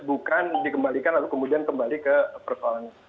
bukan dikembalikan lalu kemudian kembali ke persoalan